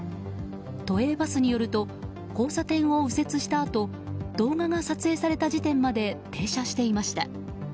都営バスによると交差点を右折したあと動画が撮影された時点まで停車していました。